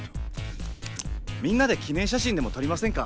みんなで記念写真でも撮りませんか？